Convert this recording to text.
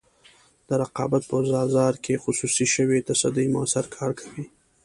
د رقابت په بازار کې خصوصي شوې تصدۍ موثر کار کوي.